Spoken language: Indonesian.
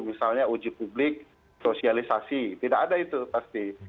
misalnya uji publik sosialisasi tidak ada itu pasti